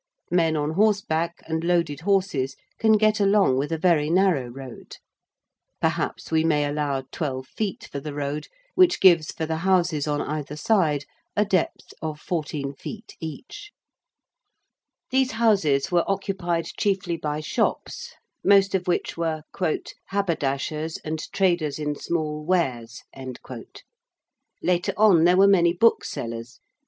Men on horseback and loaded horses can get along with a very narrow road. Perhaps we may allow twelve feet for the road which gives for the houses on either side a depth of 14 feet each. [Illustration: OLD LONDON BRIDGE.] These houses were occupied chiefly by shops, most of which were 'haberdashers and traders in small wares.' Later on there were many booksellers.